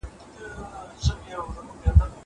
زه کولای سم امادګي ونيسم!